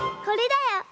これだよ。